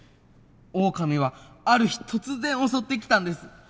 オオカミはある日突然襲ってきたんです。